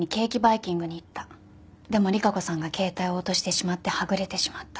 でも利佳子さんが携帯を落としてしまってはぐれてしまった。